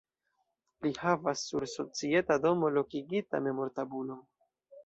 Li havas sur Societa domo lokigita memortabulon.